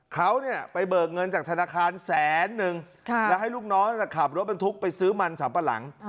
เขาไปเบิกเงินจากธนาคารแสนนึงแล้วให้ลูกน้องขับรถบรรทุกไปซื้อมันสัมปะหลัง